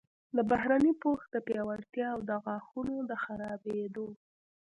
د بهرني پوښ د پیاوړتیا او د غاښونو د خرابیدو